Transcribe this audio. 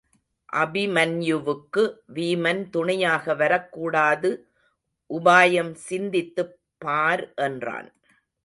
அபிமன்யுவுக்கு வீமன் துணையாக வரக் கூடாது உபாயம் சிந்தித்துப் பார் என்றான்.